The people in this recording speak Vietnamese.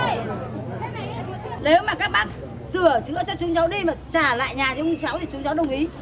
nếu mà các bạn sửa chữa cho chúng cháu đi mà trả lại nhà cho cháu thì chúng cháu đồng ý